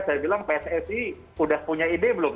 saya bilang pssi sudah punya ide belum